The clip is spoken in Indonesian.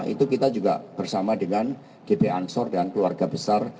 itu kita juga bersama dengan gp ansor dan keluarga besar